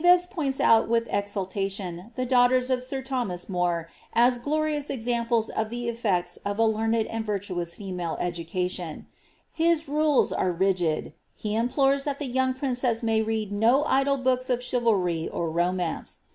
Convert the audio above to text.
Vives points out with exultation the daughters of sir Thomas Hon ds glorious examples of the eflfects of a learned and Tirtuona femik education. His rules are rigid : he implores that the ybung princeH may read no idle books of chivalry or romance.